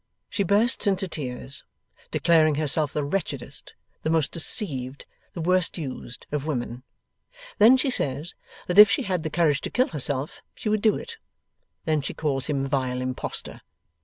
She bursts into tears, declaring herself the wretchedest, the most deceived, the worst used, of women. Then she says that if she had the courage to kill herself, she would do it. Then she calls him vile impostor.